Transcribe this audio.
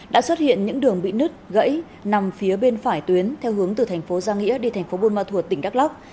đã xuất hiện những đường bị nứt gãy nằm phía bên phải tuyến theo hướng từ thành phố giang nghĩa đi thành phố buôn ma thuột tỉnh đắk lóc